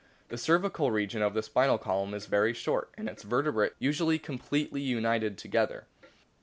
The cervical region of the spinal column is very short, and its vertebrae usually completely united together.